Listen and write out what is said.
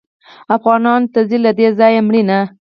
افغانانو ته ځي له دې ځایه مړینه